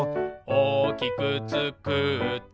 「おおきくつくって」